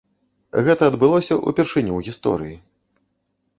Гэта адбылося ўпершыню ў гісторыі.